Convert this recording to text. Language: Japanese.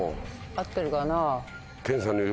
合ってるかな？